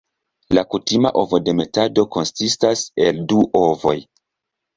La kutima ovodemetado konsistas el du ovoj.